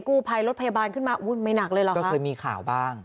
กู้ภัยรถพยาบาลขึ้นมาไม่หนักเลยหรอคะ